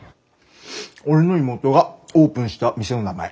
俺の妹がオープンした店の名前。